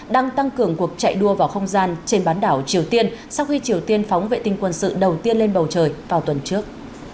đang tăng cường cuộc chạy đua vào không gian trên bán đảo triều tiên sau khi triều tiên phóng vệ tinh quân sự đầu tiên lên bầu trời vào tuần trước